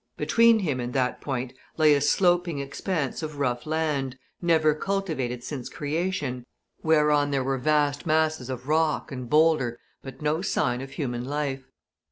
Between him and that point lay a sloping expanse of rough land, never cultivated since creation, whereon there were vast masses of rock and boulder but no sign of human life.